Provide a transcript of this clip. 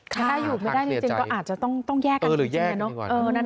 ถ้าอยู่ไม่ได้จริงก็อาจจะต้องแยกกันหรือแย่เนอะ